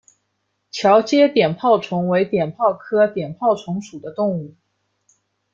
桥街碘泡虫为碘泡科碘泡虫属的动物。